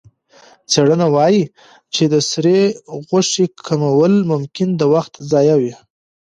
څېړنه وايي چې د سرې غوښې کمول ممکن د وخت ضایع وي.